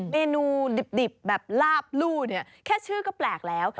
เมนูดิบแบบลาบลู่เนี่ยแค่ชื่อก็แปลกแล้ว